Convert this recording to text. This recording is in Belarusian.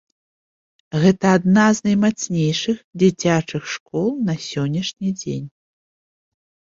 Гэта адна з наймацнейшых дзіцячых школ на сённяшні дзень.